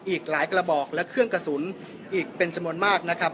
อีกหลายกระบอกและเครื่องกระสุนอีกเป็นจำนวนมากนะครับ